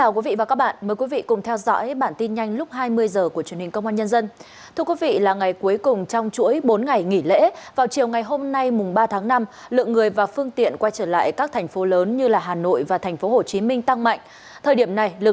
các bạn hãy đăng ký kênh để ủng hộ kênh của chúng mình nhé